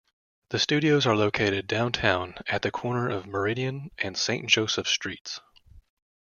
The studios are located downtown at the corner of Meridian and Saint Joseph Streets.